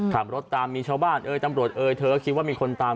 ถามรถตามมีชาวบ้านตำรวจเธอก็คิดว่ามีคนตาม